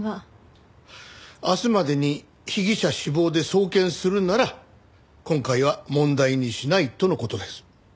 明日までに被疑者死亡で送検するなら今回は問題にしないとの事です。